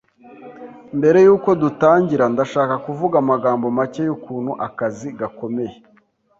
Mbere yuko dutangira, ndashaka kuvuga amagambo make yukuntu akazi gakomeye.